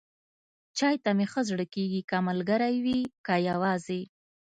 چای ته مې زړه ښه کېږي، که ملګری وي، که یواځې.